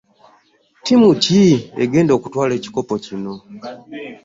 Ttiimu ki egenda okutwaala ekikopo kino?